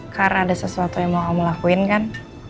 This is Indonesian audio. karena ada sesuatu yang mau kamu lakuin kan